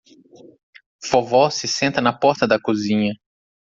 Vovó se senta na porta da cozinha